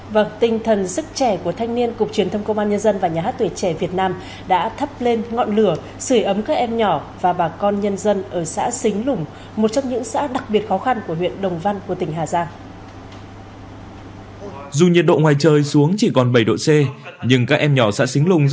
vâng tinh thần sức trẻ của thanh niên cục truyền thông công an nhân dân và nhà hát tuổi trẻ việt nam đã thắp lên ngọn lửa sửa ấm các em nhỏ và bà con nhân dân ở xã xính lùng một trong những xã đặc biệt khó khăn của huyện đồng văn của tỉnh hà giang